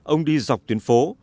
ông đi dọc tuyến phố